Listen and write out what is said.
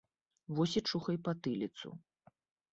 Вось і чухай патыліцу.